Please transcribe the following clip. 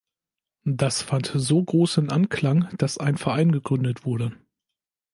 Das fand so großen Anklang, dass ein Verein gründet wurde.